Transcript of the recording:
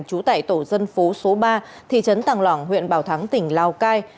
chú tải tổ dân phố số ba thị trấn tàng lỏng huyện bảo thắng tỉnh lào cai